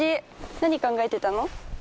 何考えてたの？